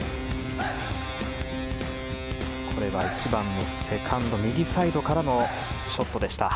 １番のセカンド右サイドからのショットでした。